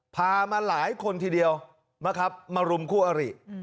พามาหลายคนทีเดียวนะครับมารุมคู่อริ